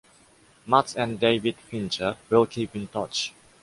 Matz and David Fincher will keep in touch.